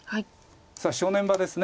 さあ正念場です